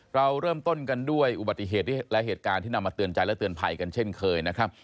เราเริ่มต้นกันด้วยอุบัติเหตุและเหตุการณ์ที่นำมาเตือนใจและเตือนภัยกันเช่นเคยนะครับ